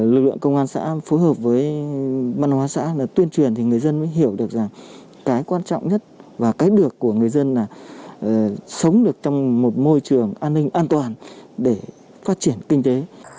lực lượng công an xã phối hợp với văn hóa xã là tuyên truyền thì người dân mới hiểu được rằng cái quan trọng nhất và cái được của người dân là sống được trong một môi trường an ninh an toàn để phát triển kinh tế